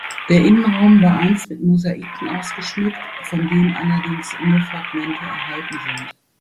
Der Innenraum war einst mit Mosaiken ausgeschmückt, von denen allerdings nur Fragmente erhalten sind.